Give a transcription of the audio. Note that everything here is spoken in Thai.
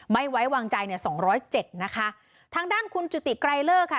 ไม่ไว้วางใจเนี่ยสองร้อยเจ็ดนะคะทางด้านคุณจุติไกรเลิกค่ะ